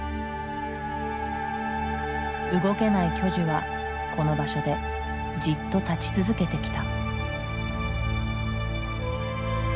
動けない巨樹はこの場所でじっと立ち続けてきた。